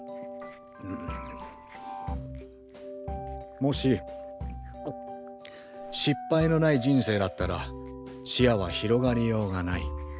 もし失敗のない人生だったら視野は広がりようがない。